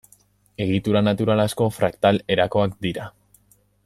Egitura natural asko fraktal erakoak dira.